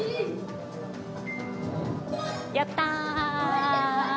やったー！